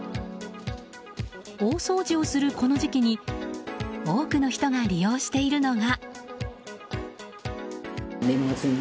大掃除をするこの時期に多くの人が利用しているのが。